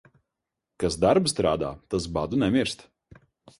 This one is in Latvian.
Kas darbu strādā, tas badu nemirst.